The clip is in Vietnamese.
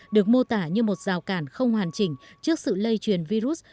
được mô tả như một rào cản không hoàn chỉnh trước sự lây truyền virus